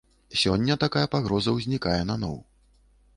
Сёння такая пагроза ўзнікае наноў.